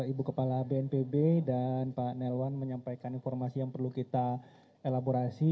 ibu kepala bnpb dan pak nelwan menyampaikan informasi yang perlu kita elaborasi